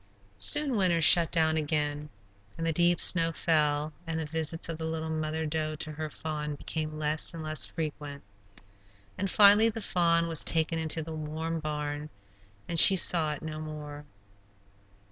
Soon winter shut down again, and the deep snow fell, and the visits of the little mother doe to her fawn became less and less frequent. And finally the fawn was taken into the warm barn, and she saw it no more.